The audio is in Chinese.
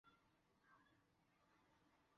李锋的恋爱故事